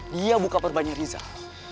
dia buka perbannya rizal